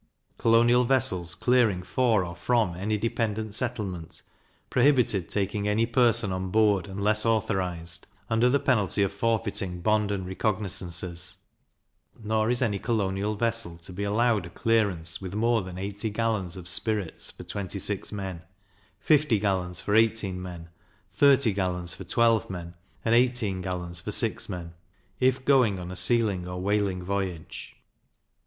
Colonial vessels clearing for or from any dependent settlement, prohibited taking any person on board, unless authorised, under the penalty of forfeiting bond and recognizances; nor is any colonial vessel to be allowed a clearance with more than eighty gallons of spirits for twenty six men, fifty gallons for eighteen men, thirty gallons for twelve men, and eighteen gallons for six men, if going on a sealing or whaling voyage.